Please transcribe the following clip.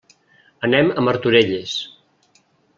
Anem a Martorelles.